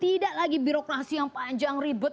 tidak lagi birokrasi yang panjang ribet